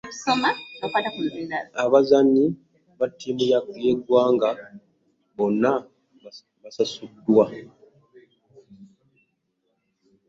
Abazannyi b'attiimu y'eggwanga bonna basasuddwa